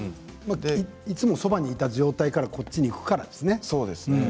いつもそばにいた状態からモネが東京へ行くからですね。